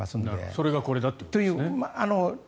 それがこれだと。